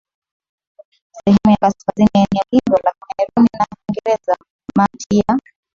sehemu ya kaskazini ya eneo lindwa la Kamerun ya Kiingereza mati ya